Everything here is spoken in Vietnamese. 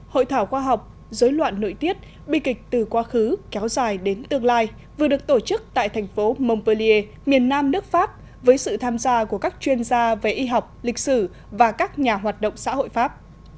hội thảo khoa học dối loạn nội tiết bi kịch từ quá khứ kéo dài đến tương lai vừa được tổ chức tại thành phố monpeer miền nam nước pháp với sự tham gia của các chuyên gia về y học lịch sử và các nhà hoạt động xã hội pháp